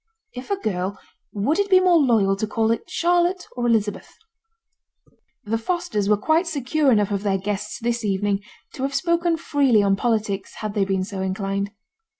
If a girl, would it be more loyal to call it Charlotte or Elizabeth?' The Fosters were quite secure enough of their guests this evening to have spoken freely on politics had they been so inclined.